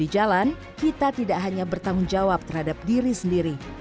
di jalan kita tidak hanya bertanggung jawab terhadap diri sendiri